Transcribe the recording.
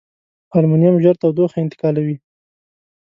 المونیم ژر تودوخه انتقالوي.